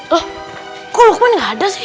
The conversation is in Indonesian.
loh kok lukman gak ada sih